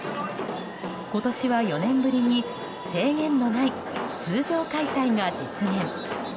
今年は４年ぶりに制限のない通常開催が実現。